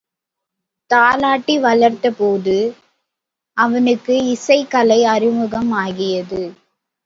தாலாட்டி வளர்த்தபோது அவனுக்கு இசைக் கலை அறிமுகம் ஆகியது.